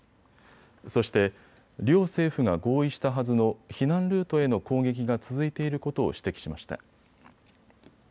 そして、両政府が合意したはずの避難ルートへの攻撃が続いていることを指摘しました。